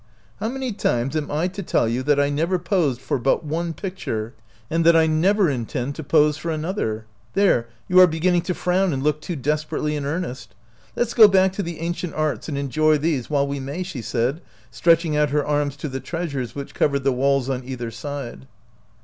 How many times am I to tell you that I never posed for but one picture, and that I never intend to pose for another ? There, you are beginning to frown and look too desperately in earnest. Let 's go back to the ancient arts and enjoy these while we may," she said, stretching out her arms to the treasures which covered the walls on either side.